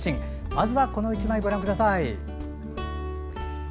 まずはこの１枚ご覧ください。